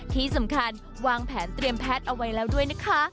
ที่สำคัญวางแผนเตรียมแพทย์เอาไว้แล้วด้วยนะคะ